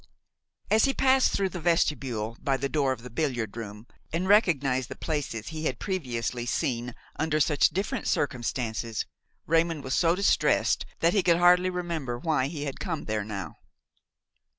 As he passed through the vestibule, by the door of the billiard room, and recognized the places he had previously seen under such different circumstances, Raymon was so distressed that he could hardly remember why he had come there now.